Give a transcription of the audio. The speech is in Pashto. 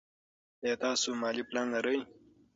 ایا تاسو مالي پلان لرئ.